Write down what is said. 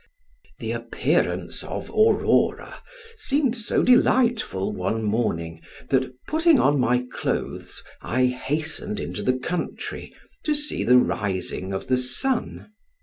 The appearance of Aurora seemed so delightful one morning that, putting on my clothes, I hastened into the country, to see the rising of the sun.